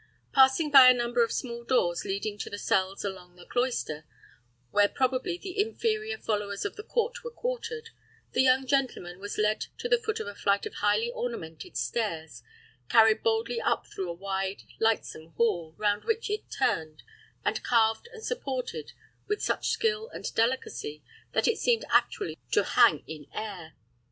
Passing by a number of small doors leading to the cells along the cloister, where probably the inferior followers of the court were quartered, the young gentleman was led to the foot of a flight of highly ornamented stairs, carried boldly up through a wide, lightsome hall, round which it turned, and carved and supported with such skill and delicacy, that it seemed actually to hang in air.